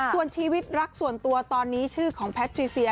ส่วนชีวิตรักส่วนตัวตอนนี้ชื่อของแพทริเซีย